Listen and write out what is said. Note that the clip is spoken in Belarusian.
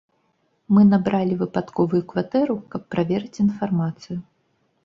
Мы набралі выпадковую кватэру, каб праверыць інфармацыю.